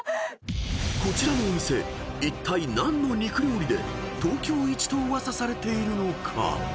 ［こちらのお店いったい何の肉料理で東京イチと噂されているのか］